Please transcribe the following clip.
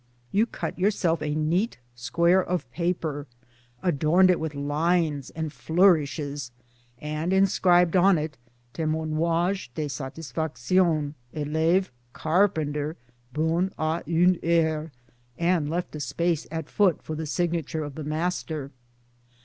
You cut yourself a neat square of paper, adorned it with lines and flourishes, and inscribed on it " Temoignage de Satisfaction ElevQ Carpenter bonne a' une heure "and left a space BRIGHTON, 23 at foot for the signature of the master.